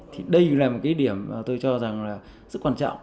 thì đây là một cái điểm mà tôi cho rằng là rất quan trọng